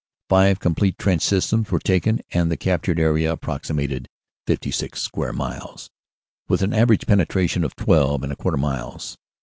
Five complete trench systems were taken and the captured area approximated 56 square miles, with an average penetration of twelve and a quarter miles.